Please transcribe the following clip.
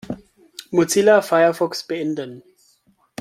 Mozilla Firefox beenden.